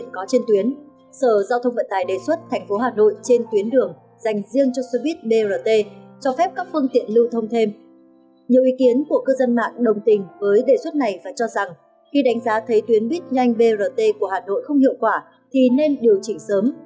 khi đánh giá thấy tuyến buýt nhanh brt của hà nội không hiệu quả thì nên điều chỉnh sớm